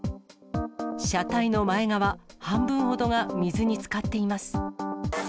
車体の前側半分ほどが水につかっています。